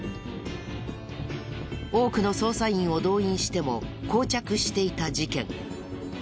多くの捜査員を動員しても膠着していた事件。